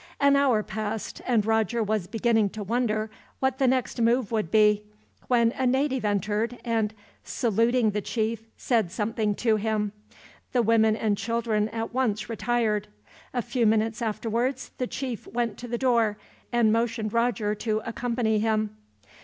An hour passed, and Roger was beginning to wonder what the next move would be, when a native entered and, saluting the chief, said something to him. The women and children at once retired. A few minutes afterwards the chief went to the door, and motioned Roger to accompany him.